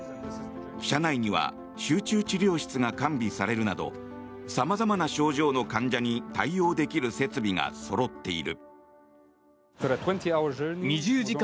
車内には集中治療室が完備されるなどさまざまな症状の患者に対応できる設備がそろっている。